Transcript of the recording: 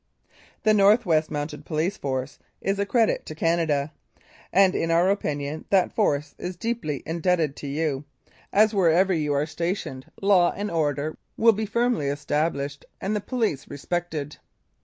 "The North West Mounted Police Force is a credit to Canada, and in our opinion that Force is deeply indebted to you, as wherever you are stationed law 94 1898 1902. Lethbridge and Macleod and order will be firmly established and the police respected.